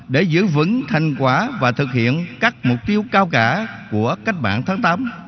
để giữ vững thành quả và thực hiện các mục tiêu cao cả của cách mạng tháng tám